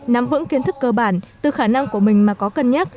nắm vững kiến thức cơ bản từ khả năng của mình mà có cân nhắc